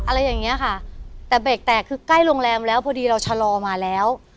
อะไรอย่างเงี้ยค่ะแต่เบรกแตกคือใกล้โรงแรมแล้วพอดีเราชะลอมาแล้ว